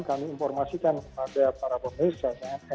kami informasikan kepada para pemirsa